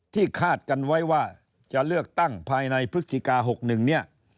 คาดกันไว้ว่าจะเลือกตั้งภายในพฤศจิกา๖๑เนี่ย